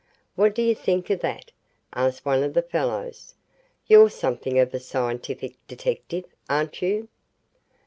"What do you think of that?" asked one of the fellows. "You're something of a scientific detective, aren't you?"